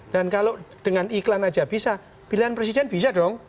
kalau dengan iklan aja bisa pilihan presiden bisa dong